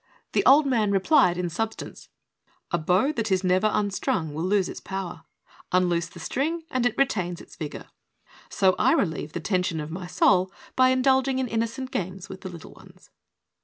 The old man replied in substance: "A bow that is never unstrung will lose its power; unloose the string and it retains its vigor ; so I relieve, the ten sion of my soul by indulging in innocent games with the little ones."